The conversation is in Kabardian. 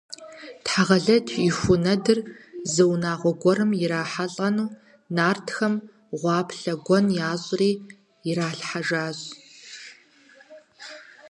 Тхьэгъэлэдж и ху нэдыр зы унагъуэ гуэрым ирахьэлӀэну, нартхэм гъуаплъэ гуэн ящӀри иралъхьэжащ.